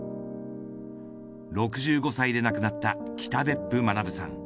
６５歳で亡くなった北別府学さん。